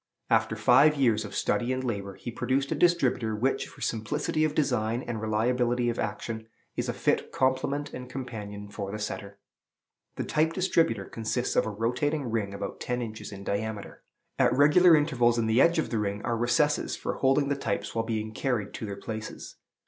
After five years of study and labor, he produced a distributer which, for simplicity of design and reliability of action, is a fit complement and companion for the setter. The Type distributer consists of a rotating ring, about ten inches in diameter. At regular intervals in the edge of the ring are recesses for holding the types while being carried to their places.